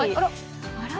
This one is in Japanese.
あら？